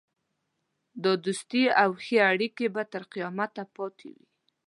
دا دوستي او ښې اړېکې به تر قیامته پاته وي.